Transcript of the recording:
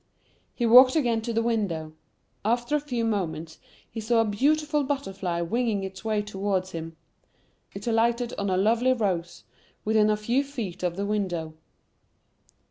He walked again to the window; after a few moments, he saw a beautiful butterfly winging its way towards him; it alighted on a lovely rose, within a few feet of the window.